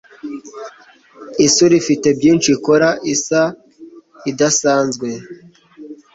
Isura ifite byinshi ikora isa idasanzwe.